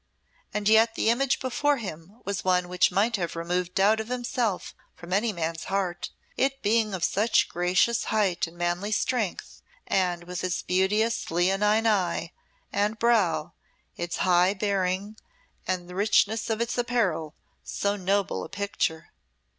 And yet the image before him was one which might have removed doubt of himself from any man's heart, it being of such gracious height and manly strength, and, with its beauteous leonine eye and brow, its high bearing, and the richness of its apparel, so noble a picture.